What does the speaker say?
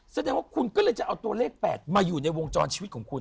แสดงว่าคุณก็เลยจะเอาตัวเลข๘มาอยู่ในวงจรชีวิตของคุณ